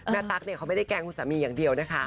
ตั๊กเนี่ยเขาไม่ได้แกล้งคุณสามีอย่างเดียวนะคะ